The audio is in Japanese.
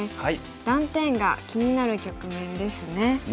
断点が気になる局面ですね。